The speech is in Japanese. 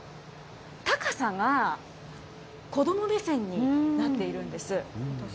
高さが子ども目線になっているんです。